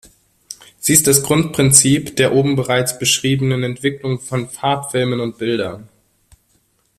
Sie ist das Grundprinzip der oben bereits beschrieben Entwicklung von Farbfilmen und -bildern.